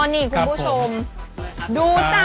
อ๋อนี่คุณผู้ชม